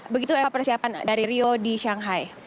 begitu eva persiapan dari rio di shanghai